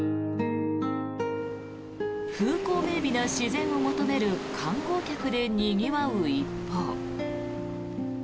風光明媚な自然を求める観光客でにぎわう一方。